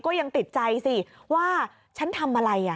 ยังติดใจสิว่าฉันทำอะไร